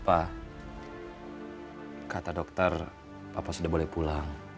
apa kata dokter papa sudah boleh pulang